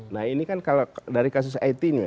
nah ini kan kalau dari kasus it nya